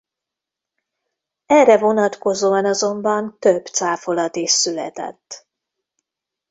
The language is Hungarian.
Erre vonatkozóan azonban több cáfolat is született.